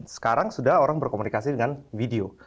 sekarang sudah orang berkomunikasi dengan video